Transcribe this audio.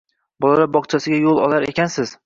Bolalar maydonchasiga yo‘l olar ekansiz